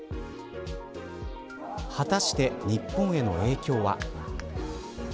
果たして、日本への影響は。